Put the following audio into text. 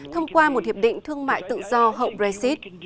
thông qua một hiệp định thương mại tự do hậu brexit